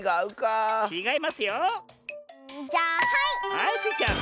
はいスイちゃん。